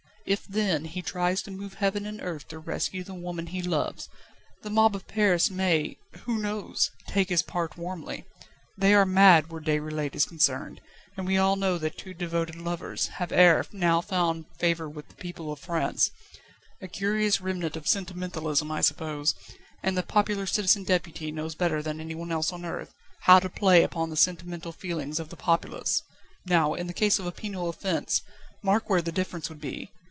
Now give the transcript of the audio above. If, then, he tries to move heaven and earth to rescue the woman he loves, the mob of Paris may, who knows? take his part warmly. They are mad where Déroulède is concerned; and we all know that two devoted lovers have ere now found favour with the people of France a curious remnant of sentimentalism, I suppose and the popular Citizen Deputy knows better than anyone else on earth, how to play upon the sentimental feelings of the populace. Now, in the case of a penal offence, mark where the difference would be!